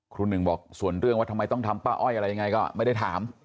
หนึ่งบอกส่วนเรื่องว่าทำไมต้องทำป้าอ้อยอะไรยังไงก็ไม่ได้ถาม